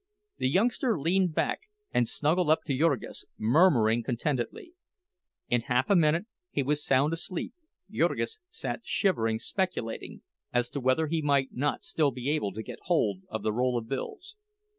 The youngster leaned back and snuggled up to Jurgis, murmuring contentedly; in half a minute he was sound asleep, Jurgis sat shivering, speculating as to whether he might not still be able to get hold of the roll of bills.